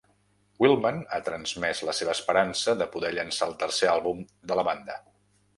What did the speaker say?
Willman ha transmès la seva esperança de poder llançar el tercer àlbum de la banda.